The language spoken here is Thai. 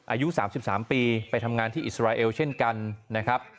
อายุ๓๓ปีไปทำงานที่อิสราเอลเช่นกันนะครับ